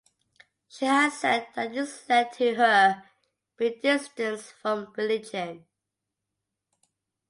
She has said that this led to her being distanced from religion.